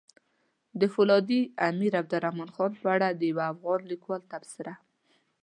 د فولادي امير عبدالرحمن خان په اړه د يو افغان ليکوال تبصره!